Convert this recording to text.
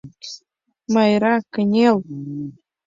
— Майра, кынел!